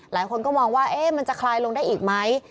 หลายคนก็มองว่ามันจะคลายลงได้อีกไหม